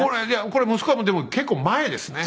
これ息子はもうでも結構前ですね。